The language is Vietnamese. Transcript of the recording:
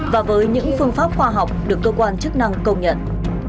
và với những phương pháp khoa học được cơ quan chức năng công nhận